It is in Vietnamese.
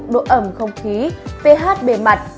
độ ẩm không khí ph bề mặt